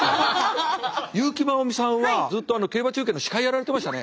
優木まおみさんはずっと競馬中継の司会やられてましたね。